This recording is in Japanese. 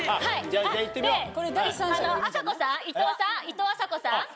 あさこさんいとうさんいとうあさこさん。